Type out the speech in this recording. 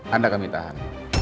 anda kami tahan